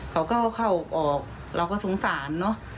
เขาก็เข้าออกเราก็สงสารเนอะ